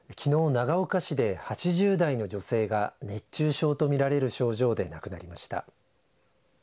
長岡市で８０代の女性が熱中症と見られる症状で亡くなりました。